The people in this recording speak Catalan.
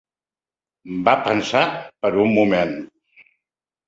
Va pensar per un moment.